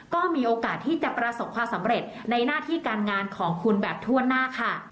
ก็มีโอกาสที่จะประสบความสำเร็จในหน้าที่การงานของคุณแบบทั่วหน้าค่ะ